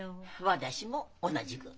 私も同じく。